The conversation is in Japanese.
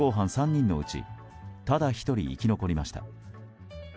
３人のうちただ１人生き残りました。